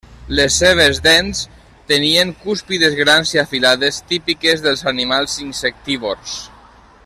Les seves dents tenien cúspides grans i afilades, típiques dels animals insectívors.